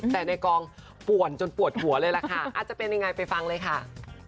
แต่ในกองป่วนจนปวดหัวเลยล่ะค่ะอาจจะเป็นยังไงไปฟังเลยค่ะ